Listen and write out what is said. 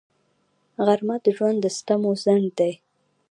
غرمه د ژوند د ستمو ځنډ دی